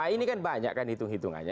ini kan banyak kan hitung hitungannya